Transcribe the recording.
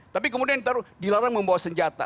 tapi kemudian dilarang membawa senjata